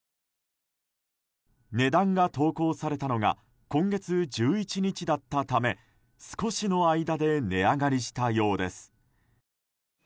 値段が投稿されたのが今月１１日だったため少しの間で値上がりしたようです。